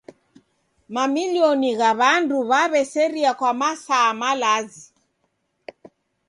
Mamilioni gha w'andu w'aw'eserie kwa masaa malazi.